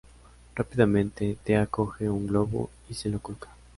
Rápidamente, Thea coge un globo y se lo coloca.